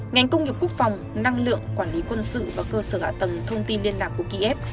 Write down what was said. ngành công nghiệp quốc phòng năng lượng quản lý quân sự và cơ sở hạ tầng thông tin liên lạc của kiev